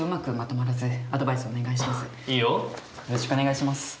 よろしくお願いします。